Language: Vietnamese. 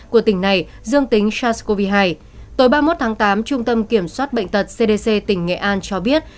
của tỉnh này dương tính sars cov hai tối ba mươi một tháng tám trung tâm kiểm soát bệnh tật cdc tỉnh nghệ an cho biết